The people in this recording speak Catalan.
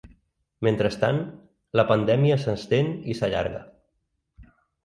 Mentrestant, la pandèmia s’estén i s’allarga.